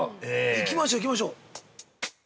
行きましょう行きましょう。